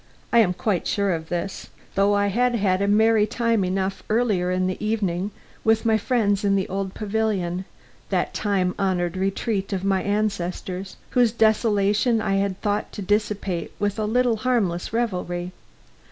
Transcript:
I am quite sure of this, though I had had a merry time enough earlier in the evening with my friends in the old pavilion (that time honored retreat of my ancestors), whose desolation I had thought to dissipate with a little harmless revelry.